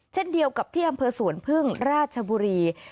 เช่นเดียวกับที่อำเภอสวนพึ่งราชบุรี